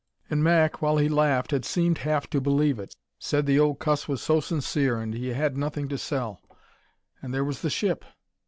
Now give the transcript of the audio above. And Mac, while he laughed, had seemed half to believe it. Said the old cuss was so sincere, and he had nothing to sell. And there was the ship!